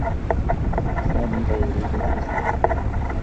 سامي لا يريد الخصام.